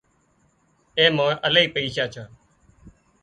اين مان الاهي پئيشا ڇا